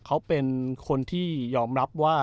เขาเป็นคนที่ยอมรับว่า